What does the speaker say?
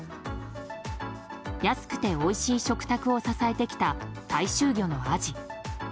安くておいしい食卓を支えてきた大衆魚のアジ。